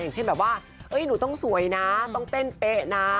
อย่างเช่นแบบว่าหนูต้องสวยนะต้องเต้นเป๊ะนะ